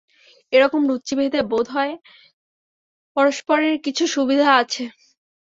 এরকম রুচিভেদে বোধ হয় পরস্পরের কিছু সুবিধা আছে।